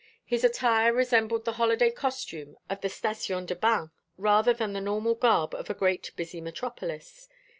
His attire resembled the holiday costume of the station de bains rather than the normal garb of a great busy metropolis.